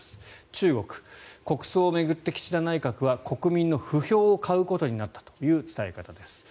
中国、国葬を巡って岸田内閣は国民の不評を買うことになったという伝え方です。